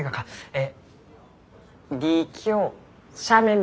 え。